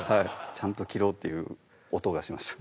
ちゃんと切ろうっていう音がしました